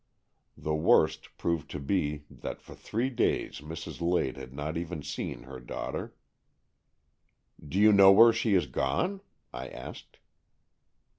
The worst proved to be that for three days Mrs. Lade had not even seen her daughter. "Do you know where she has gone?" I asked.